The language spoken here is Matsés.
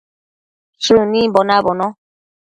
Shënimbo nabono